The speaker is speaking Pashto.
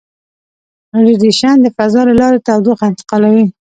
ریډیشن د فضا له لارې تودوخه انتقالوي.